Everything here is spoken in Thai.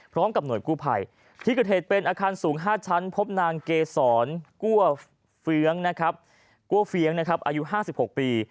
พร้อมกับหน่วยกู้ไผ่ที่เกิดเหตุเป็นอาคารสูง๕ชั้นพบนางเกศรกัวเฟียงอายุ๕๖ปี